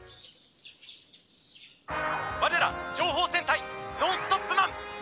我ら、情報戦隊ノンストップマン！